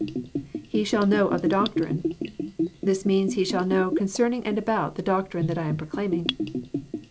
IBe shall know of the doctrine.] This means he shall know "concerning and about" the doctrine I am proclaiming.